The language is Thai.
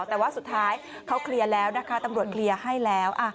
แต่ว่าสุดท้ายเขาเคลียร์แล้วนะคะตำรวจเคลียร์ให้แล้ว